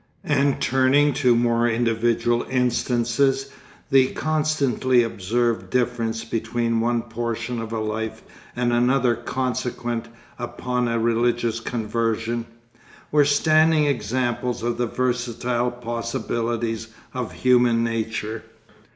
And turning to more individual instances the constantly observed difference between one portion of a life and another consequent upon a religious conversion, were a standing example of the versatile possibilities of human nature.